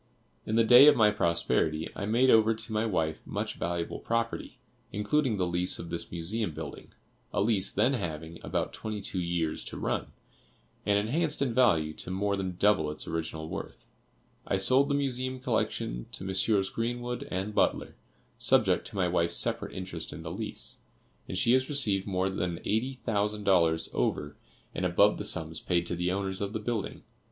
In the day of my prosperity I made over to my wife much valuable property, including the lease of this Museum building, a lease then having about twenty two years to run, and enhanced in value to more than double its original worth. I sold the Museum collection to Messrs. Greenwood and Butler, subject to my wife's separate interest in the lease, and she has received more than eighty thousand dollars over and above the sums paid to the owners of the building.